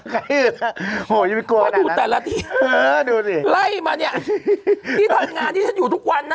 ไข้อื่นโหจะมีกลัวแต่ละตีเออดูสิไล่มาเนี้ยที่ทำงานที่ฉันอยู่ทุกวันน่ะ